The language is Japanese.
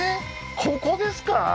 ここですか？